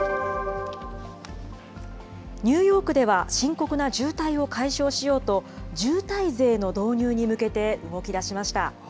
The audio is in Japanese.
ニューヨークでは深刻な渋滞を解消しようと、渋滞税の導入に向けて動きだしました。